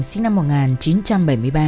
sinh năm một nghìn chín trăm bảy mươi ba